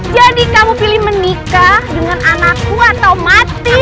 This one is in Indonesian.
jadi kamu pilih menikah dengan anakku atau mati